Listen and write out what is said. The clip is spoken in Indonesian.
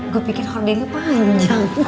gue pikir hordingnya panjang